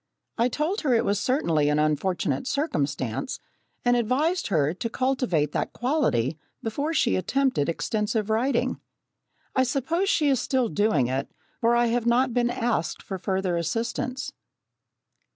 I told her it was certainly an unfortunate circumstance and advised her to cultivate that quality before she attempted extensive writing. I suppose she is still doing it, for I have not been asked for further assistance.